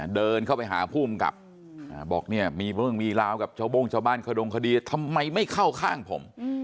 เดินเข้าไปหาผู้กำกับบอกเนี่ยมีเรื่องมีราวกับชาวโบ้งชาวบ้านขดงคดีทำไมไม่เข้าข้างผม